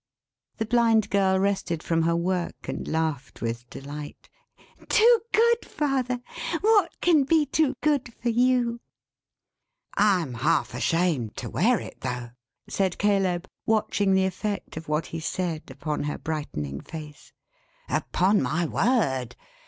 The Blind Girl rested from her work, and laughed with delight. "Too good, father! What can be too good for you?" "I'm half ashamed to wear it though," said Caleb, watching the effect of what he said, upon her brightening face; "upon my word.